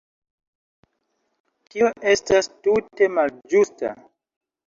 Tio estas tute malĝusta.